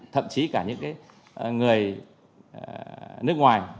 thậm chí cả những người nước ngoài